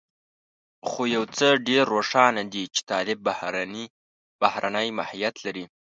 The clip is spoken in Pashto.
خو يو څه ډېر روښانه دي چې طالب بهرنی ماهيت لري.